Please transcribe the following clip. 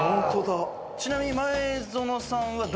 ちなみに。